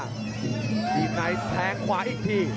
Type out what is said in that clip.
กลีบนายแผงขวาอีกที